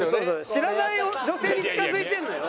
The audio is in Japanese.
知らない女性に近付いてるのよ。